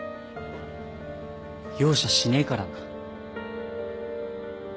容赦しねえからな。